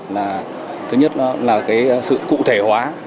là thứ nhất là sự cụ thể hóa